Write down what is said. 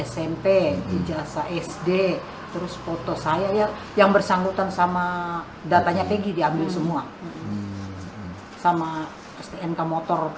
smp di jasa sd terus foto saya ya yang bersangkutan sama datanya pergi diambil semua sama stnk motor